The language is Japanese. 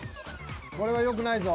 これはよくないぞ。